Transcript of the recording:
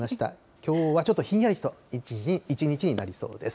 きょうはちょっとひんやりとした一日になりそうです。